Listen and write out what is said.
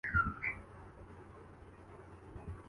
بیشک واجبی سہی۔